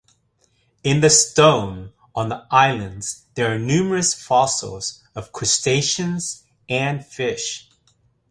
In the stone on the islands there are numerous fossils of crustaceans and fish.